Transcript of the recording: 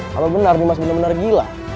kalau benar nih mas bener bener gila